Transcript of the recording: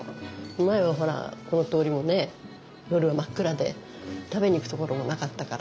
前はほらこの通りもね夜真っ暗で食べに行く所もなかったから。